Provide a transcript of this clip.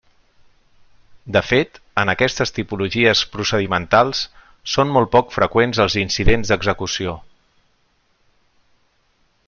De fet, en aquestes tipologies procedimentals són molt poc freqüents els incidents d'execució.